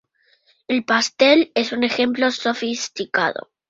El pastel es un ejemplo sofisticado.